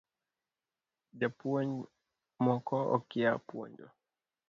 Jopuony moko okia puonjo